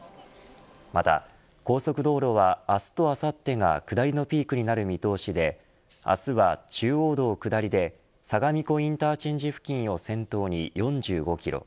また、高速道路は明日とあさってが下りのピークになる見通しで明日は中央道下りで相模湖インターチェンジ付近を先頭に４５キロ